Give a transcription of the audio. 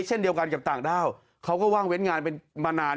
เช่นเดียวกันกับต่างด้าวเขาก็ว่างเว้นงานเป็นมานาน